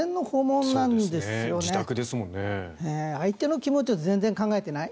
相手の気持ちを全然考えていない。